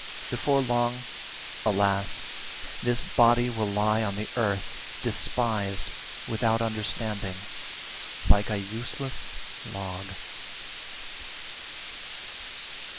41. Before long, alas! this body will lie on the earth, despised, without understanding, like a useless log.